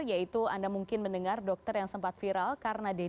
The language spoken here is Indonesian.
yaitu anda mungkin mendengar dokter yang sempat viral karena di